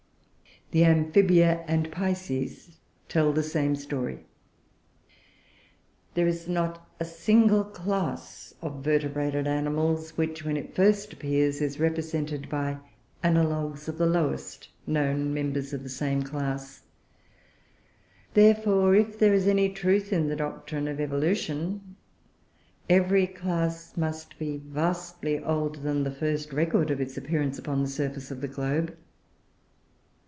The Amphibia and Pisces tell the same story. There is not a single class of vertebrated animals which, when it first appears, is represented by analogues of the lowest known members of the same class. Therefore, if there is any truth in the doctrine of evolution, every class must be vastly older than the first record of its appearance upon the surface of the globe.